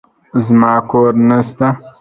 زما کور نشته.